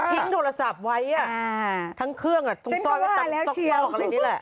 ทิ้งโทรศัพท์ไว้ทั้งเครื่องตรงซอกอะไรอย่างนี้แหละ